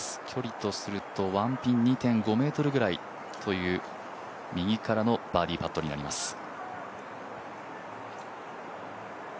距離とすると１ピン２．５ｍぐらいという右からのバーディーパットとなります。